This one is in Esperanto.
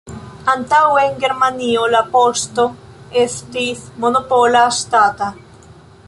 Antaŭe en Germanio la poŝto estis monopola, ŝtata.